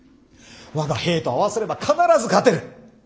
我が兵と合わせれば必ず勝てる。